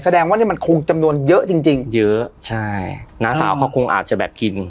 แสดงว่านี่มันคงจำนวนเยอะจริงจริงเยอะใช่น้าสาวเขาคงอาจจะแบบกิน